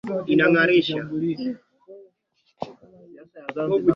za jadi na kutumiwa kutengeneza mipangilio bora ya rangi Hivi sasa shanga za kioo